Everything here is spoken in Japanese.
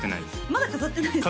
まだ飾ってないんですか？